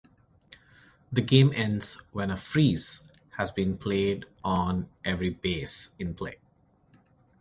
The game ends when a "Freeze" has been played on every "Base" in play.